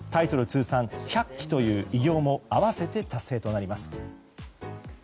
通算１００期という偉業も併せて達成となります。